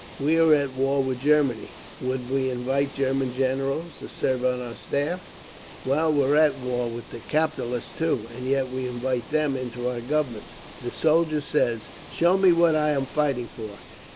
"We are at war with Germany. Would we invite German generals to serve on our Staff? Well we're at war with the capitalists too, and yet we invite them into our Government…. "The soldier says, 'Show me what I am fighting for.